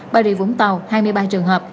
bà rịa vũng tàu hai mươi ba trường hợp